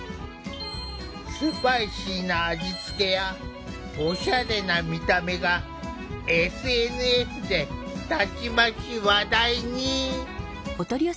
スパイシーな味付けやオシャレな見た目がＳＮＳでたちまち話題に。